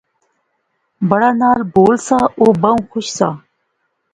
بڑا ناں بول سا او بہوں خوش سا